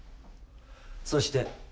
そして。